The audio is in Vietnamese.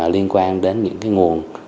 liên quan đến những nguồn